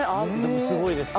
すごいですけど。